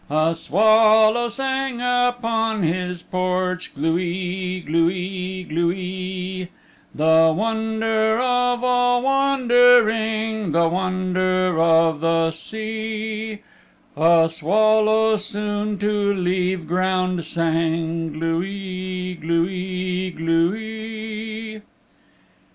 A swallow sang upon his porch "Glu ee, glu ee, glu ee," "The wonder of all wandering, The wonder of the sea;" A swallow soon to leave ground sang "Glu ee, glu ee, glu ee."